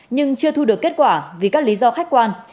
nhưng chưa thu được kết quả vì các lý do khách quan